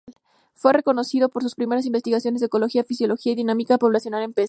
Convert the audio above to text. Fue conocido por sus primeras investigaciones en ecología fisiológica y dinámica poblacional en peces.